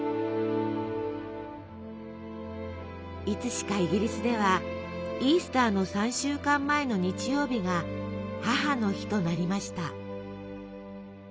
いつしかイギリスではイースターの３週間前の日曜日が「母の日」となりました。